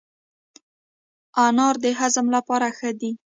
انار د هضم لپاره ښه دی.